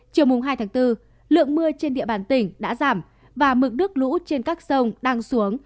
chiều hai tháng bốn lượng mưa trên địa bàn tỉnh đã giảm và mực nước lũ trên các sông đang xuống